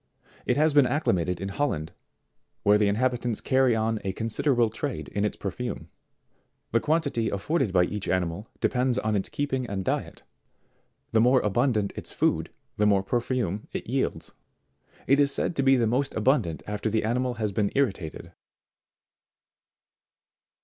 It has been acclimated in Hol land, where the inhabitants carry on a considerable trade in its perfume. The quantity afforded by each animal depends upon its keeping; and diet ; the more abundant its food, the more per fume it yields. It is said to be most abundant after the animal has been irritated.